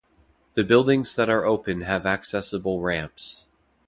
The buildings that are open have accessible ramps.